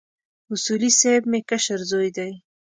اصولي صیب مې کشر زوی دی.